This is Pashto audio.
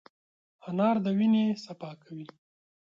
انار د وینې صفا کوي.